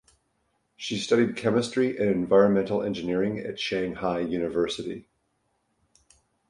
She studied chemistry and environmental engineering at Shanghai University.